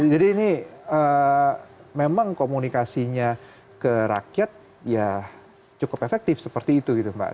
jadi ini memang komunikasinya ke rakyat ya cukup efektif seperti itu gitu pak